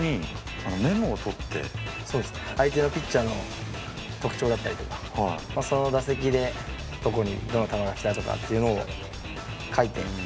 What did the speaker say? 相手のピッチャーの特徴だったりとか、その打席でどこにどの球が来たのかというのを書いて。